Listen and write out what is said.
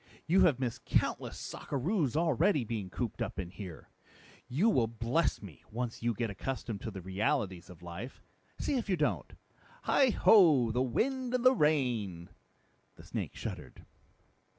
You have missed countless sockeroos already, being cooped up here. You will bless me, once you get accustomed to the realities of life see if you don't. Heigh ho the wind and the rain!" The snake shuddered.